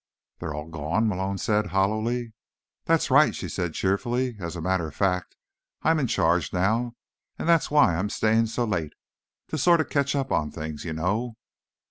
"They're all gone?" Malone said hollowly. "That's right," she said cheerfully. "As a matter of fact, I'm in charge now, and that's why I'm staying so late. To sort of catch up on things. You know?"